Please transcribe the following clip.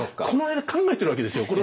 この間考えてるわけですよ。